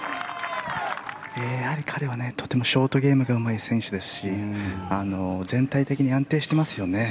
やはり彼はとてもショートゲームがうまい選手ですし全体的に安定してますよね。